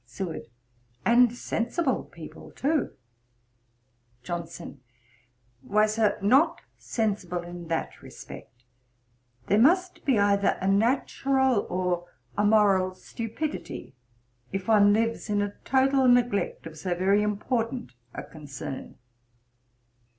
SEWARD. 'And sensible people too.' JOHNSON. 'Why, Sir, not sensible in that respect. There must be either a natural or a moral stupidity, if one lives in a total neglect of so very important a concern.'